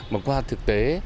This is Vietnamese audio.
mà qua thực tế